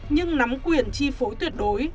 nhưng nắm quyền chi phối tuyệt đối